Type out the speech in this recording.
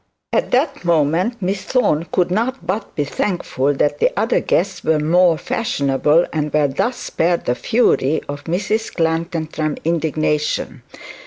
At the moment Miss Thorne could not but be thankful that the other guests were more fashionable, and were thus spared the fury of Mrs Clantantram's indignation.